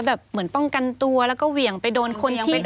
แบบมันป้องกันตัวแล้วก็เหี่ยงไปโดนคน